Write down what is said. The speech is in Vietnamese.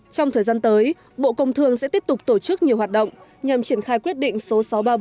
trong thời gian tới bộ công thương sẽ tiếp tục tổ chức nhiều hoạt động nhằm triển khai quyết định số sáu trăm ba mươi bốn